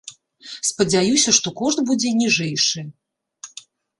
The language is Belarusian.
Спадзяюся, што кошт будзе ніжэйшы.